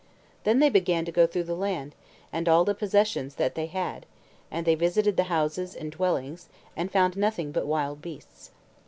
Then they began to go through the land, and all the possessions that they had; and they visited the houses and dwellings, and found nothing but wild beasts.